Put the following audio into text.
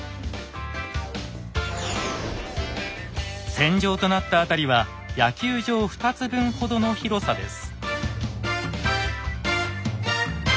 戦場となった辺りは野球場２つ分ほどの広さです。